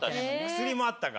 薬もあったか。